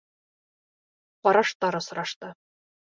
Ҡараштар осрашты.